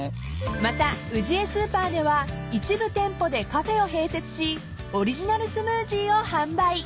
［またウジエスーパーでは一部店舗でカフェを併設しオリジナルスムージーを販売］